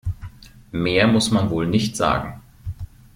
Mehr muss man wohl nicht sagen.